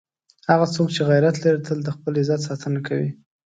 هغه څوک چې غیرت لري، تل د خپل عزت ساتنه کوي.